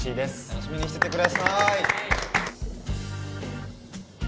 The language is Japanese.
楽しみにしててください